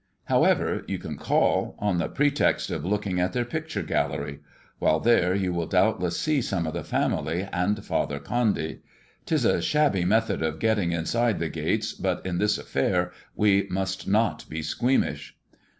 However, you can call on the pretext of looking at their picture gallery. While there you will doubtless see some of the family, and Father Condy. 'Tis a shabby method of getting inside the gates, but in this affair we must not be squeamish."